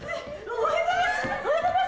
おはようございます！